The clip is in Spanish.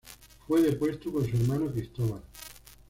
Fue depuesto por su hermano Cristóbal.